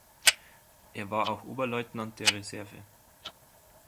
Er war auch Oberleutnant der Reserve.